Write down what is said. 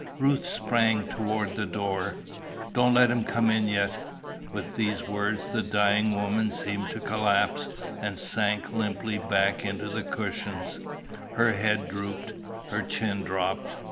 Ruth sprang toward the door. "Don't let him come yet." With these words the dying woman seemed to collapse, and sank limply back into the cushions; her head drooped, her chin dropped.